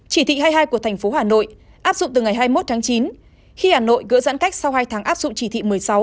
chỉ thị hai mươi hai của thành phố hà nội áp dụng từ ngày hai mươi một tháng chín khi hà nội gỡ giãn cách sau hai tháng áp dụng chỉ thị một mươi sáu